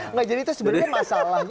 nggak jadi itu sebenarnya masalahnya